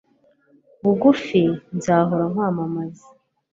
bugufi, nzahora nkwamamaza